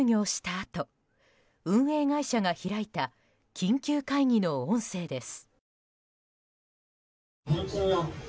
あと運営会社が開いた緊急会議の音声です。